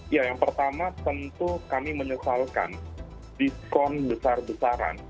ya yang pertama tentu kami menyesalkan diskon besar besaran